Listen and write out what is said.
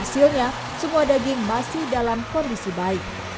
isinya semua daging masih dalam kondisi berat